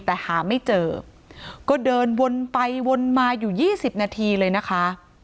แต่หาไม่เจอก็เดินวนไปวนมาอยู่๒๐นาทีเลยนะคะ